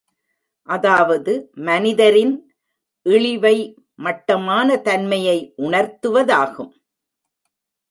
அதாவது மனிதரின் இழிவை மட்டமான தன்மையை உணர்த்துவதாகும்.